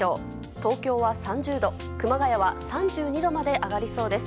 東京は３０度熊谷は３２度まで上がりそうです。